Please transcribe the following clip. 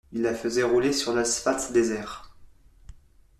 ils la faisaient rouler sur l’asphalte désert